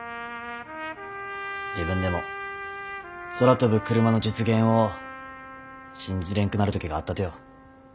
自分でも空飛ぶクルマの実現を信じれんくなる時があったとよ。